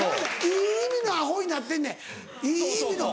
いい意味のアホになってんねんいい意味の。